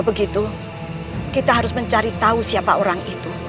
bagaimana rupa palastri itu